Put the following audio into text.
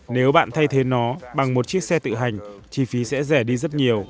nếu bạn thay thế nó bằng một chiếc xe tự hành chi phí sẽ rẻ đi rất nhiều